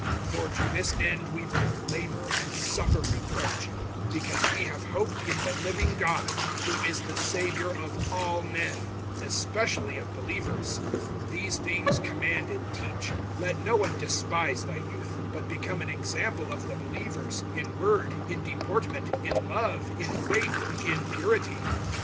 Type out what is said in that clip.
(10)For to this end we both labor and suffer reproach, because we have hoped in the living God, who is the Savior of all men, especially of believers. (11)These things command and teach. (12)Let no one despise thy youth; but become an example of the believers, in word, in deportment, in love, in faith, in purity.